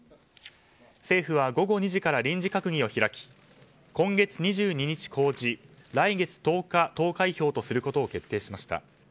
政府は午後２時から臨時閣議を開き今月２２日公示来月１０日投開票とすることを決定しました。